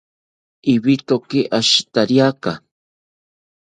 Ibitoki ashitariaka